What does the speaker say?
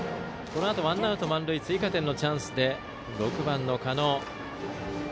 このあとワンアウト満塁追加点のチャンスで６番の狩野。